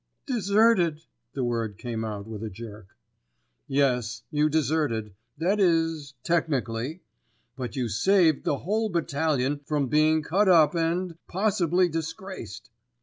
"Deserted!" The word came out with a jerk. "Yes, you deserted—that is, technically—but you saved the whole battalion from being cut up and—possibly disgraced."